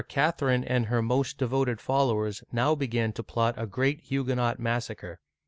(1560 1574) 261 Catherine and her most devoted followers now began to plot a great Huguenot massacre.